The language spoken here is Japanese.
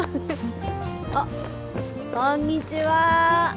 あっこんにちは。